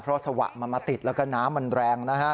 เพราะสวะมาติดแล้วก็น้ำมันแรง